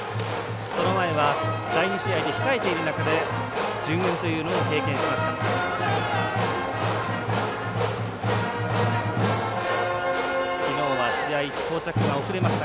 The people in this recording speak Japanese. その前は第２試合で控えている中で順延というのも経験しました。